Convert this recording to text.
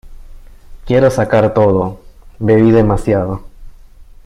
Quiero sacar todo: bebí demasiado.